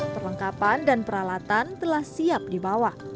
perlengkapan dan peralatan telah siap dibawa